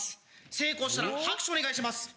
成功したら拍手お願いします。